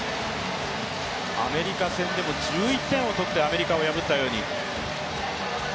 アメリカ戦でも１１点を取ってアメリカを破ったように。